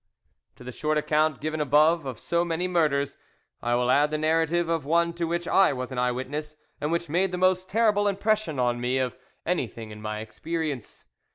To the short account given above of so many murders I will add the narrative of one to which I was an eye witness, and which made the most terrible impression on me of, anything in my experience.